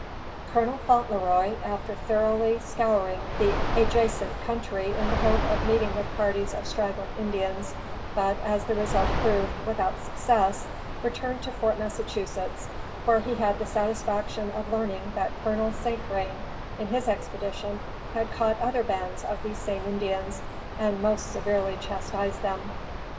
Colonel Fauntleroy, after thoroughly scouring the adjacent country in the hope of meeting with parties of straggling Indians, but, as the result proved, without success, returned to Fort Massachusetts, where he had the satisfaction of learning that Colonel St. Vrain, in his expedition, had caught other bands of these same Indians, and most severely chastised them.